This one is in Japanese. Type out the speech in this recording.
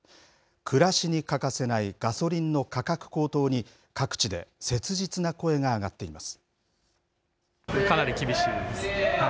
暮らしに欠かせないガソリンの価格高騰に、各地で切実な声が上がっています。